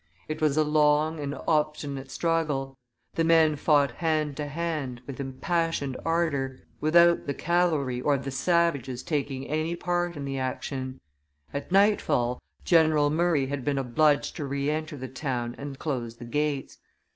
It was a long and obstinate struggle; the men fought hand to hand, with impassioned ardor, without the cavalry or the savages taking any part in the action; at nightfall General Murray had been obliged to re enter the town and close the gates.